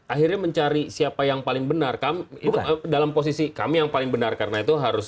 akhirnya mencari siapa yang paling benar dalam posisi kami yang paling benar karena itu harus